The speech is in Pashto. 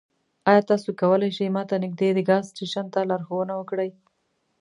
ایا تاسو کولی شئ ما ته نږدې د ګاز سټیشن ته لارښوونه وکړئ؟